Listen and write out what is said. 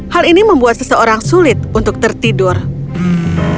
hal ini membuat seseorang sulit untuk tidur bangun